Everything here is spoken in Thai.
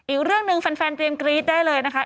อีกเรื่องหนึ่งแฟนเตรียมกรี๊ดได้เลยนะคะ